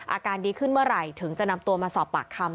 อาการดีขึ้นเมื่อไหร่ถึงจะนำตัวมาสอบปากคำ